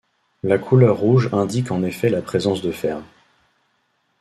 La couleur rouge indique en effet la présence de fer.